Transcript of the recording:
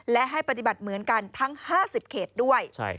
และให้ปฏิบัติเหมือนกันทั้ง๕๐เขตด้วย